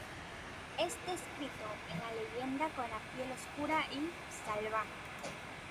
Es descrito en la leyenda con la piel oscura y "salvaje".